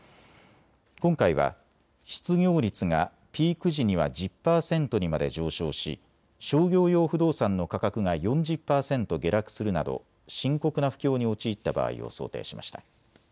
今回は失業率がピーク時には１０％にまで上昇し商業用不動産の価格が４０％下落するなど深刻な不況に陥った場合を想定しました。